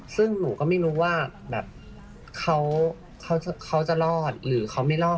ซึ่งหนูก็ไม่รู้ว่าแบบเขาจะรอดหรือเขาไม่รอด